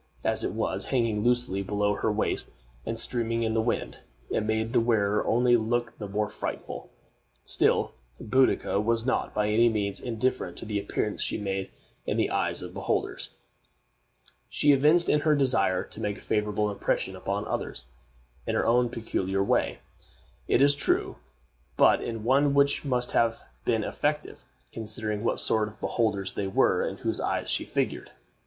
As it was, hanging loosely below her waist and streaming in the wind, it made the wearer only look the more frightful. Still, Boadicea was not by any means indifferent to the appearance she made in the eyes of beholders. She evinced her desire to make a favorable impression upon others, in her own peculiar way, it is true, but in one which must have been effective, considering what sort of beholders they were in whose eyes she figured.